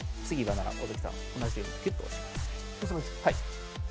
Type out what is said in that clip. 同じようにギュッと押します。